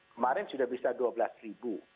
kemarin sudah bisa dua belas ribu